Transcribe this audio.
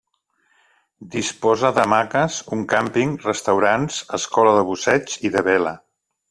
Disposa d'hamaques, un càmping, restaurants, escola de busseig i de vela.